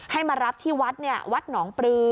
ให้มารับที่วัดวัดหนองปลือ